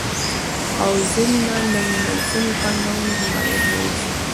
او ضمنان د منظمي پانګوني حمایت به وسي